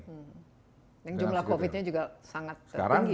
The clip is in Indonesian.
dan jumlah covid nya juga sangat tertinggi